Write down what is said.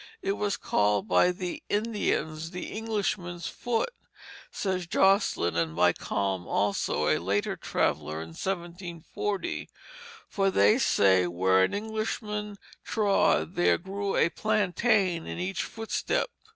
It was called by the Indian "the Englishman's foot," says Josselyn, and by Kalm also, a later traveller in 1740; "for they say where an Englishman trod, there grew a plantain in each footstep."